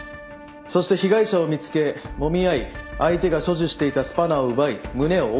そして被害者を見つけもみ合い相手が所持していたスパナを奪い胸を殴打した。